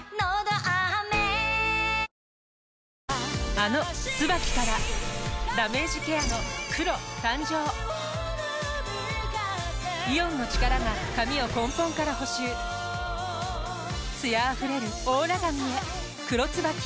あの「ＴＳＵＢＡＫＩ」からダメージケアの黒誕生イオンの力が髪を根本から補修艶あふれるオーラ髪へ「黒ＴＳＵＢＡＫＩ」